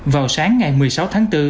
vào sáng ngày một mươi sáu tháng bốn